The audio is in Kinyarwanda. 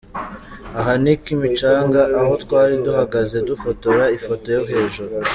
Aha ni Kimicanga, aho twari duhagaze dufotora ifoto yo hejuru.